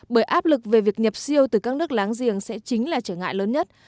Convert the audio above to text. bởi áp lực về việc nhập siêu từ các nước láng giềng sẽ chính là trở ngại lớn nhất